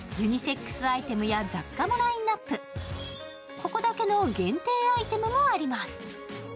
ここだけの限定アイテムもあります。